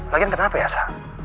lagian kenapa ya sa